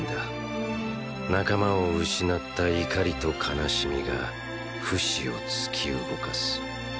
仲間を失った怒りと悲しみがフシを突き動かす。